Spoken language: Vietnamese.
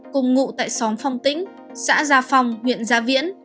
cùng ngụ tại xóm phong tĩnh xã gia phong huyện gia viễn